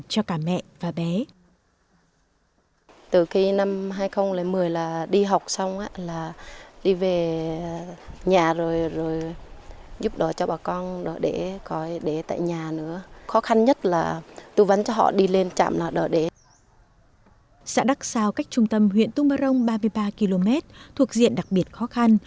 cho cả mẹ và bé xã đắc sao cách trung tâm huyện tung mơ rông ba mươi ba km thuộc diện đặc biệt khó khăn